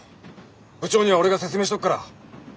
部長には俺が説明しとくから。